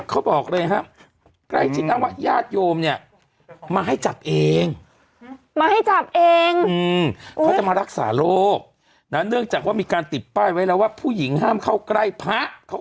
ควรยัดทั่วครับคุณเป็นมูลกันครับ